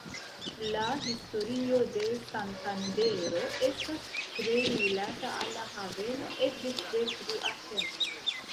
La historio de Santandero estas tre rilata al la haveno ekde tre frua tempo.